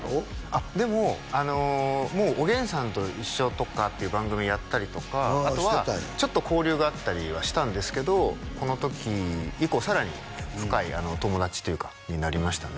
あっでももう「おげんさんといっしょ」とかっていう番組やったりとかあとはちょっと交流があったりはしたんですけどこの時以降さらに深い友達というかなりましたね